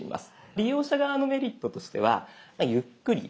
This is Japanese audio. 利用者側のメリットとしてはゆっくり選べるぞとか。